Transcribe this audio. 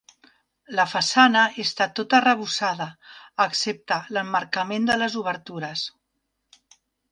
La façana està tota arrebossada excepte l'emmarcament de les obertures.